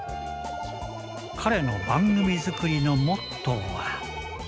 彼の番組作りのモットーは。